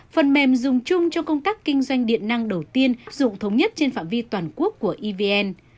phần mềm dùng chung cho công tác kinh doanh điện năng đầu tiên dụng thống nhất trên phạm vi toàn quốc của evn